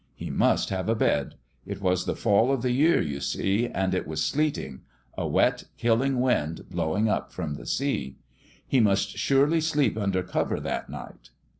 He must have a bed. It was the fall of the year, you see ; and it was sleeting a wet, killing wind blowing up from the sea. He must surely sleep under cover that night.